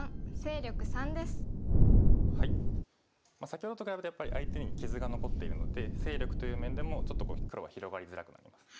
先ほどと比べてやっぱり相手に傷が残っているので勢力という面でもちょっと黒は広がりづらくなります。